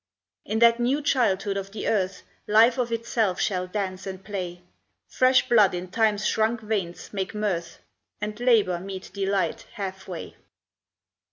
In that new childhood of the Earth Life of itself shall dance and play; Fresh blood in Time's shrunk veins make mirth, And labor meet delight half way.